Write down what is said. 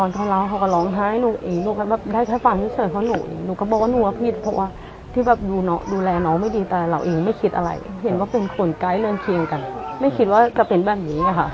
เจ็ดญาติชายโฉม